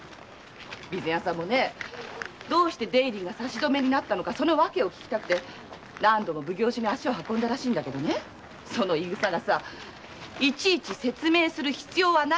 備前屋さんもどうして出入りが差し止めになったのかその訳を訊きたくて何度も奉行所に足を運んだらしいけどその言いぐさが「いちいち説明する必要はない」って。